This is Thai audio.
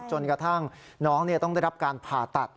จนกระทั่งน้องต้องได้รับการผ่าตัด